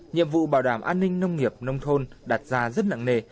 nhiệm vụ bảo đảm an ninh nông nghiệp nông thôn đặt ra rất nặng nề